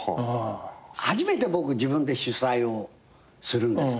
初めて僕自分で主催をするんですけど。